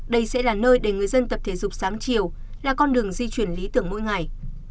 đây sẽ là nơi để người dân tập thể dục sáng chiều là con đường di chuyển lý tưởng mỗi ngày